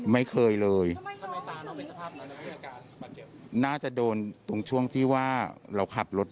ไม่เคยเลยครั้งแรกเลย